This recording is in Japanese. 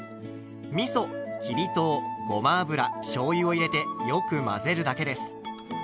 みそきび糖ごま油しょうゆを入れてよく混ぜるだけです。